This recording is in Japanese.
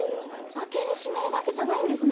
開ける閉めるだけじゃないんですね？